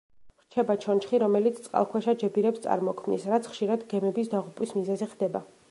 რჩება ჩონჩხი, რომელიც წყალქვეშა ჯებირებს წარმოქმნის, რაც ხშირად გემების დაღუპვის მიზეზი ხდება.